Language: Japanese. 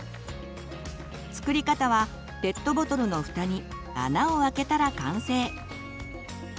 作り方はペットボトルのふたに穴を開けたら完成。